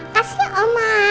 kasih ya oma